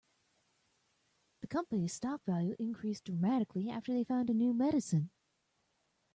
The company's stock value increased dramatically after they found a new medicine.